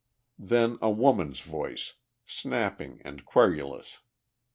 Then a woman's voice, snapping and querrulous.